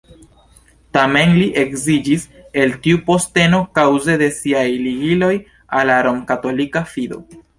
Tamen, li eksiĝis el tiu posteno kaŭze de siaj ligiloj al la romkatolika fido.